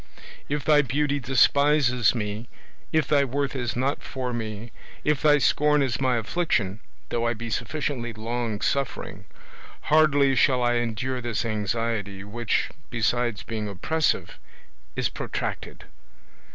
If thy beauty despises me, if thy worth is not for me, if thy scorn is my affliction, though I be sufficiently long suffering, hardly shall I endure this anxiety, which, besides being oppressive, is protracted.